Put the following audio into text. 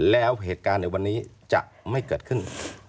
แล้วเหตุการณ์ในวันนี้จะไม่เกิดขึ้น